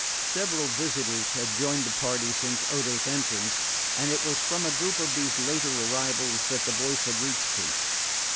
Several visitors had joined the party since Odo's entrance; and it was from a group of these later arrivals that the voice had reached him.